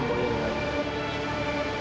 ayo yaudah kita berangkat